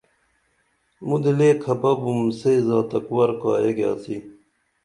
مُدے لے کھپہ بُم سے زاتک ور کایہ گیاڅی